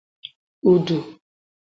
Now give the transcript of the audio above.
udu